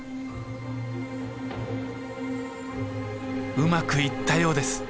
うまくいったようです。